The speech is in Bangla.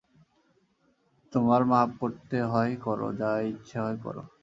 তোমরা মাপ করতে হয় কর, যা ইচ্ছে হয় কর।